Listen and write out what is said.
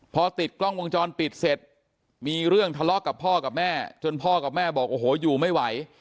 พอติดกล้องวงจรปิดเสร็จมีเรื่องทะเลาะกับพ่อกับแม่จนพ่อกับแม่บอกโอ้โหอยู่ไม่ไหว